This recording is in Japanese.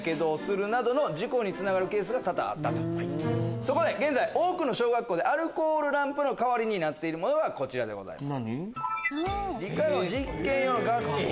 そこで現在多くの小学校でアルコールランプの代わりになるものがこちらでございます。